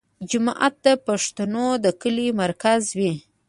جومات د پښتنو د کلي مرکز وي.